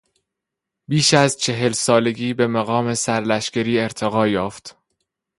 پیش از چهل سالگی به مقام سرلشکری ارتقا یافت.